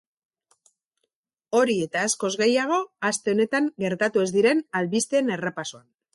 Hori eta askoz gehiago aste honetan gertatu ez diren albisteen errepasoan!